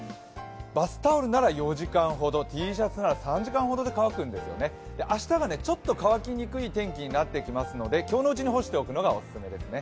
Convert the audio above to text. バスタオルなら４時間ほどＴシャツなら３時間ほどで乾くんですよね、明日はちょっと乾きにくい天気になってきますので今日のうちに干しておくのがおすすめですね。